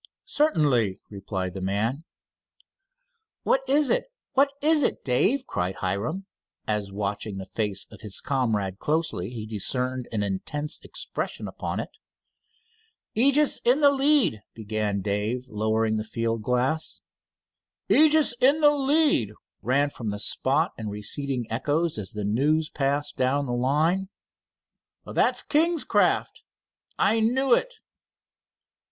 "Certainly," replied the man. "What is it, Dave?" cried Hiram, as, watching the face of his comrade closely, he discerned an intense expression upon it. "Aegis in the lead " began Dave, lowering the field glass. "Aegis in the lead!" ran from the spot in receding echoes as the news passed down the line. "That's King's craft." "I knew it!"